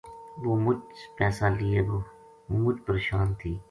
وہ مُچ پیسا لیے گو ہوں مُچ پرشان تھی